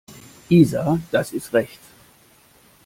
Isa, das ist rechts.